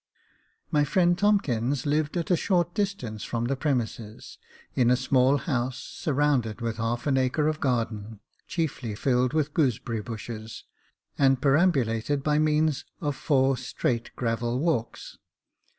My friend Tomkins lived at a short distance from the premises, in a small house, surrounded with half an acre of garden, chiefly filled with gooseberry bushes, and perambulated by means of four straight gravel walks.